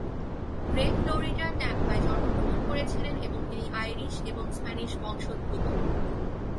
Grey ফ্লোরিডার ট্যাম্পায় জন্মগ্রহণ করেছিলেন এবং তিনি আইরিশ এবং স্প্যানিশ বংশোদ্ভূত।